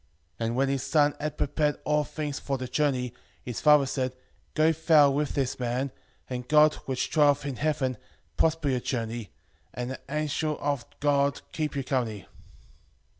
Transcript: And when his son had prepared all things far the journey, his father said, Go thou with this man, and God, which dwelleth in heaven, prosper your journey, and the angel of God keep you company.